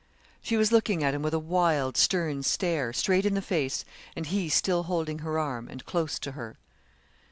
She was looking at him with a wild, stern stare, straight in the face, and he still holding her arm, and close to her.